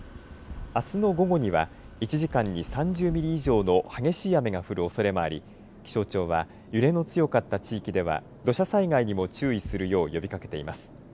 あすの午後には１時間に３０ミリ以上の激しい雨が降るおそれもあり気象庁は揺れの強かった地域では土砂災害にも注意するよう呼びかけています。